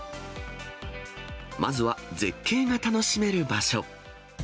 まずは絶景が楽しめる場所。